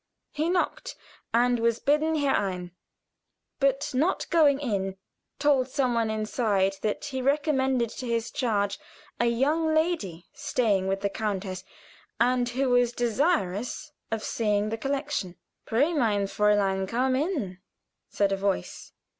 He knocked and was bidden herein! but not going in, told some one inside that he recommended to his charge a young lady staying with the countess, and who was desirous of seeing the collection. "Pray, mein Fräulein, come in!" said a voice.